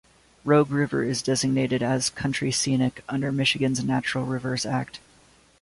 Rogue River is designated as "Country Scenic" under Michigan's Natural Rivers Act.